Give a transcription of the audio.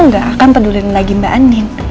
ga akan peduli lagi mba andin